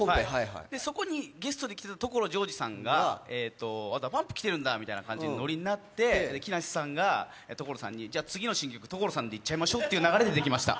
そこにゲストで来てた所ジョージさんが、あ、ＤＡＰＵＭＰ来てるんだみたいなノリになって木梨さんが所さんに、次の新曲、所さんでいっちゃいましょうという流れでいっちゃいました。